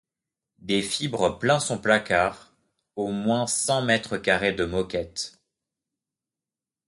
Des fibres plein son placard, au moins cent mètres carrés de moquette.